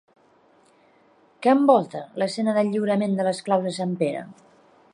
Què envolta l'escena del lliurament de les claus a sant Pere?